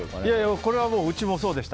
これはうちもそうでした。